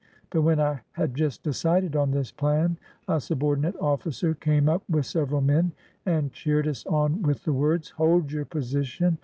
But when I had just decided on this plan, a subordinate officer came up with several men and cheered us on with the words, "Hold your position!